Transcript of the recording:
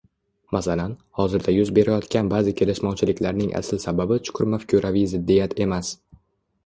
Masalan, hozirda yuz berayotgan ba’zi kelishmovchiliklarning asl sababi chuqur mafkuraviy ziddiyat emas